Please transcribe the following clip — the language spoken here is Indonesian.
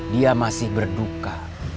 dia masih berduka